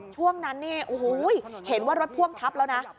ช่วงนั้นเนี่ยโอ้โหเห็นว่ารถพ่วงทับแล้วนะ